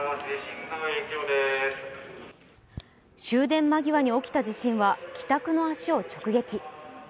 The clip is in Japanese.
終電間際に起きた地震は帰宅の足を直撃。